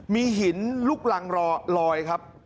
มีหินลูกรังลอยครับ